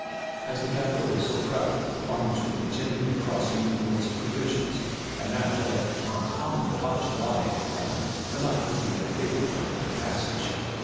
As the capital was so crowded, the farmers were continually crossing with loads of provisions, and now that an uncommonly hot July had come the night would be a favorite time for the passage.